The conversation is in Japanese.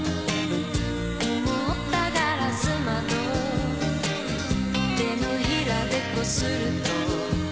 「くもったガラス窓」「手のひらでこすると」